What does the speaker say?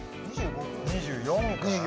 ２４かな？